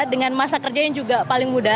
dengan masa kerja yang juga paling mudah